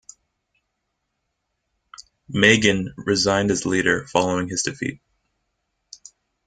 Meighen resigned as leader following his defeat.